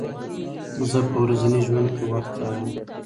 زه په ورځني ژوند کې وخت څارم.